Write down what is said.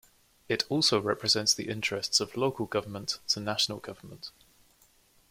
It also represents the interests of local government to national government.